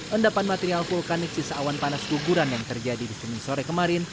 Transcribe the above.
endapan material vulkanik sisa awan panas guguran yang terjadi di senin sore kemarin